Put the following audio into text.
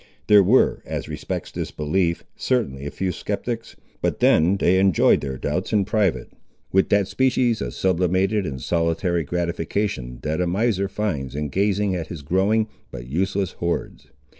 There were, as respects this belief, certainly a few sceptics, but then they enjoyed their doubts in private, with that species of sublimated and solitary gratification that a miser finds in gazing at his growing, but useless, hoards.